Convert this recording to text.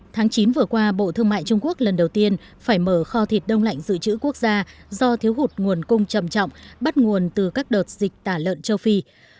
tháng chín vừa qua bộ thương mại trung quốc lần đầu tiên phải mở kho thịt đông lạnh dự trữ quốc gia do thiếu hụt nguồn cung trầm trọng bắt nguồn từ các đợt dịch tả lợn châu phi